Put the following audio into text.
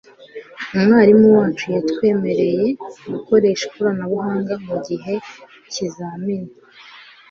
umwarimu wacu yatwemereye gukoresha inkoranyamagambo mugihe cyizamini